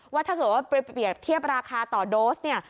ว่าถ้าเกิดว่าเปรียบเทียบราคาต่อโดสเนี่ย